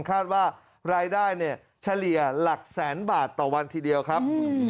คาดว่ารายได้เนี่ยเฉลี่ยหลักแสนบาทต่อวันทีเดียวครับ